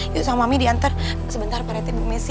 yuk sama mami diantar sebentar pak rt bu messi